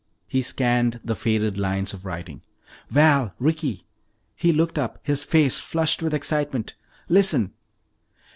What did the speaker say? He scanned the faded lines of writing. "Val! Ricky!" He looked up, his face flushed with excitement. "Listen!"